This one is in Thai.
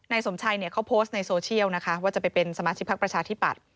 สมชัยเขาโพสต์ในโซเชียลนะคะว่าจะไปเป็นสมาชิกพักประชาธิปัตย